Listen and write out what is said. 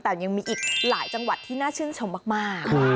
แต่ยังมีอีกหลายจังหวัดที่น่าชื่นชมมาก